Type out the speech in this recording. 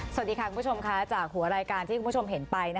สวัสดีค่ะคุณผู้ชมค่ะจากหัวรายการที่คุณผู้ชมเห็นไป